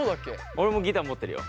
俺もギター持ってるよ。